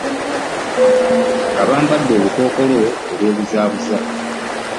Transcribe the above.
Nga bambadde obukookolo obwebuzaabuza.